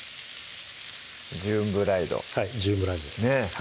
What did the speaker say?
ジューンブライドはいジューンブライドですねぇ